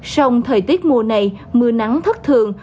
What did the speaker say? sông thời tiết mùa này mưa nắng thất thường